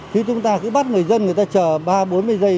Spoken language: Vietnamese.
chứ chúng ta cứ bắt người dân người ta chờ ba bốn mươi giây